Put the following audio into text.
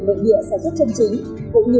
nội địa sản xuất chân chính cũng như